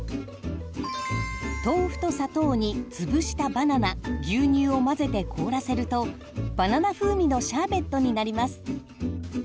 豆腐と砂糖につぶしたバナナ牛乳を混ぜて凍らせるとバナナ風味のシャーベットになります。